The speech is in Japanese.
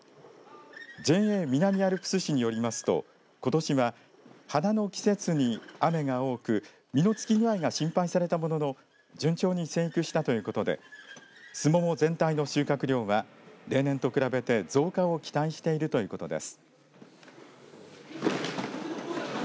ＪＡ南アルプス市によりますとことしは花の季節に雨が多く実のつき具合が心配されたものの順調に生育したということでスモモ全体の収穫量は例年と比べて増加を期待しているということです。